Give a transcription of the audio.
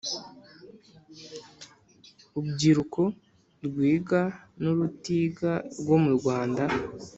ubyiruko rwiga n urutiga rwo mu Rwanda